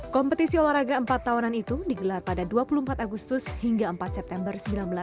kompetisi olahraga empat tahunan itu digelar pada dua puluh empat agustus hingga empat september seribu sembilan ratus empat puluh